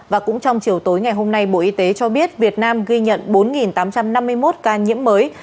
và cũng trong chiều tối ngày hôm nay bộ y tế cho biết việt nam ghi nhận bốn tám trăm năm mươi một ca nhiễm mới